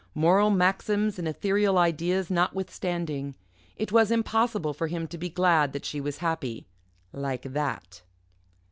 Moral maxims and ethereal ideas notwithstanding, it was impossible for him to be glad that she was happy like that.